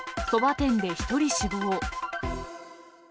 そば店で１人死亡。